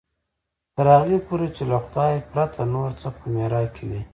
تر هغې پورې چې له خدای پرته نور څه په محراق کې وي.